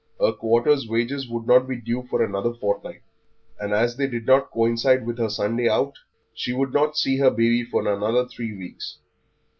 Her quarter's wages would not be due for another fortnight, and as they did not coincide with her Sunday out, she would not see her baby for another three weeks.